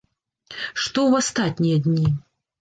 Што ў астатнія дні?